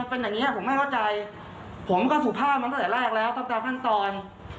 เป็นอย่างนี้ผมไม่เข้าใจผมก็สุภาพมาตั้งแต่แรกแล้วตั้งแต่ขั้นตอน